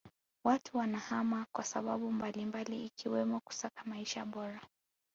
Watu wanahama kwa sababu mbalimbali ikiwemo kusaka maisha bora